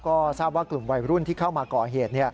ก็ทราบว่ากลุ่มวัยรุ่นที่เข้ามาก่อเหตุ